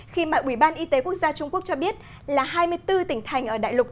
khi mà ủy ban y tế quốc gia trung quốc cho biết là hai mươi bốn tỉnh thành ở đại lục